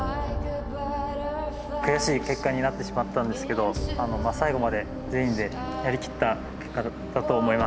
悔しい結果になってしまったんですけど最後まで全員でやりきった結果だったと思います。